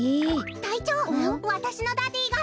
たいちょうわたしのダディーが！